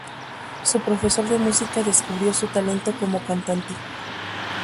Su profesor de música descubrió su talento como cantante.